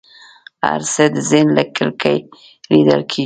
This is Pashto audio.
هر څه د ذهن له کړکۍ لیدل کېږي.